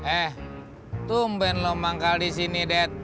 eh tumpen lo manggal disini dad